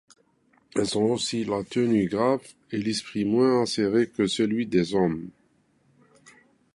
Elles ont aussi la tenue grave et l'esprit moins acéré que celui des hommes.